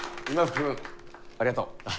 君ありがとう。